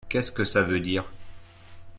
Qu'est-ce que ça veut dire ?